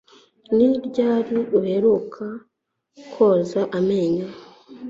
Ni ryari uheruka koza amenyo